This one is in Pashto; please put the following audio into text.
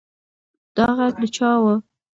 دا غږ د چا و؟